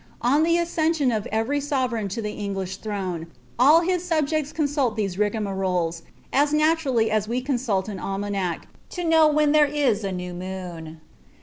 On the accession of every sovereign to the English llinHi all his subjects consulted these rigmaroles, as naturally as we coDraltu mlmnnac, lo know when there is a new moon.